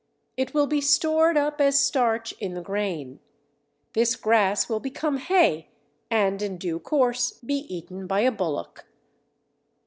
It will be stored up as starch in the grain. This grass will become hay and in due course be eaten by a bullock.